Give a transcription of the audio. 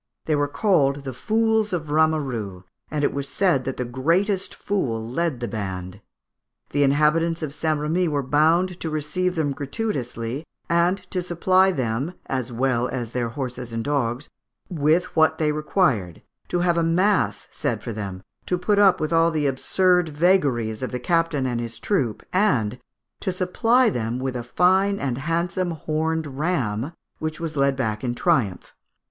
They were called the fools of Rameru, and it was said that the greatest fool led the band. The inhabitants of St. Remy were bound to receive them gratuitously, and to supply them, as well as their horses and dogs, with what they required, to have a mass said for them, to put up with all the absurd vagaries of the captain and his troop, and to supply them with a fine and handsome horned ram, which was led back in triumph.